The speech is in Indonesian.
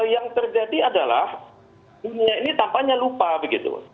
yang terjadi adalah dunia ini tampaknya lupa begitu